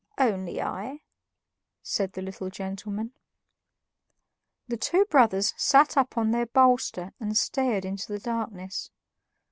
"Only I," said the little gentleman. The two brothers sat up on their bolster and stared into the darkness.